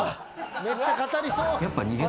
めっちゃ語りそう。